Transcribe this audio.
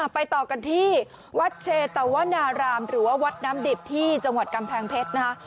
ไปต่อกันที่วัดเชตวนารามหรือว่าวัดน้ำดิบที่จังหวัดกำแพงเพชรนะคะ